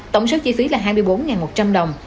tổng số chi phí là hai mươi bốn một trăm linh đồng